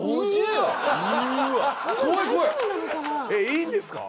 いいんですか？